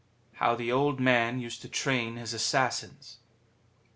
How THE Old Man used to train his Assassins.